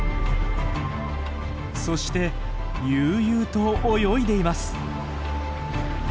そして悠々と泳いでいます。